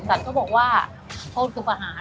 สารก็บอกว่าโทษคือประหาร